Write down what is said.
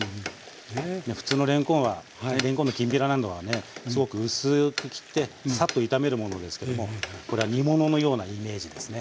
いや普通のれんこんは普通にれんこんのきんぴらなどはねすごく薄く切ってサッと炒めるものですけどもこれは煮物のようなイメージですね。